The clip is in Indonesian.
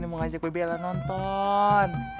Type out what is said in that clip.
mau ngajak bebe ella nonton